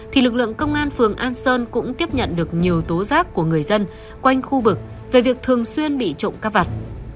thì lực lượng công an phường an sơn cũng tiếp nhận được nhiều tố giác của người dân quanh khu vực về việc thường xuyên bị trộm cắp vặt